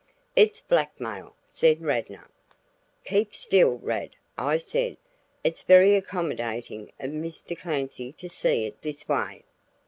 "It's blackmail!" said Radnor. "Keep still, Rad," I said. "It's very accommodating of Mr. Clancy to see it this way."